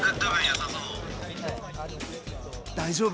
大丈夫？